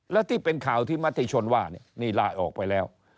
แล้วที่เป็นข่าวที่มัธยชนว่านี่ลายออกไปแล้ว